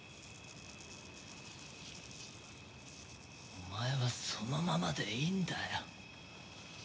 お前はそのままでいいんだよ。